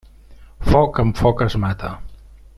Foc, amb foc es mata.